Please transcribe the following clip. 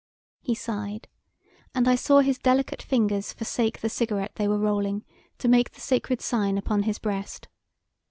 He sighed, and I saw his delicate fingers forsake the cigarette they were rolling to make the sacred sign upon his breast.